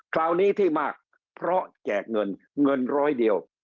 คราวนี้ที่มากเพราะแจกเงินเงินร้อยเดียว